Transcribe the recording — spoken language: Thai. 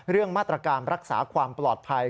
เรื่องมาตรการรักษาความปลอดภัย